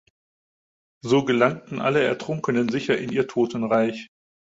So gelangen alle Ertrunkenen sicher in ihr Totenreich.